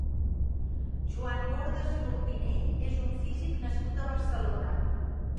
Joan Bordas i Orpinell és un físic nascut a Barcelona.